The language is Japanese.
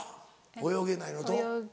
泳げないのと。